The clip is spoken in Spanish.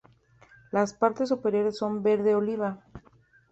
Las partes superiores son verde oliva.